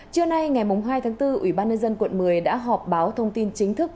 trưa nay ngày hai tháng bốn ủy ban nhân dân quận một mươi đã họp báo thông tin chính thức